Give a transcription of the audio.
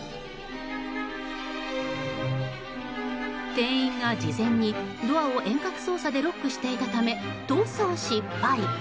店員が事前にドアを遠隔操作でロックしていたため逃走失敗。